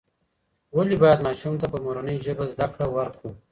ولې باید ماشوم ته په مورنۍ ژبه زده کړه ورکړو؟